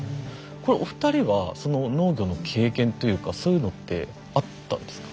これお二人はその農業の経験というかそういうのってあったんですか？